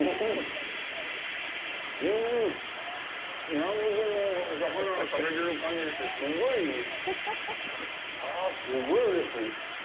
南国のお魚を食べてる感じがしてすごいうれしい。